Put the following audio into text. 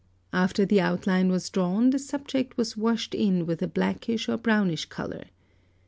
After the outline was drawn, the subject was washed in with a blackish or brownish colour.